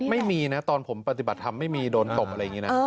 ไม่มีนะตอนผมปฏิบัติธรรมไม่มีโดนตบอะไรอย่างนี้นะ